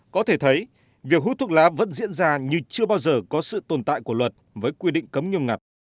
có thể thấy việc hút thuốc lá vẫn diễn ra như chưa bao giờ có sự tồn tại của luật với quy định cấm nghiêm ngặt